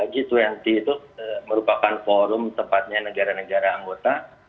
g dua puluh itu merupakan forum tepatnya negara negara anggota